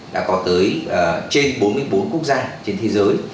đã có tới trên bốn mươi bốn quốc gia trên thế giới